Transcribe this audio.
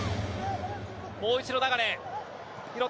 もう一度、流。